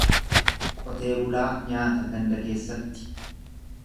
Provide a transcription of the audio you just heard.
Qotee bulaa nyaata ganda keessatti.